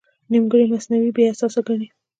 نیمګړی مصنوعي بې اساسه ګڼي.